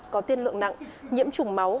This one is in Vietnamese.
có tiên lượng nặng nhiễm trùng máu